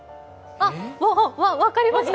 あっ、分かりました！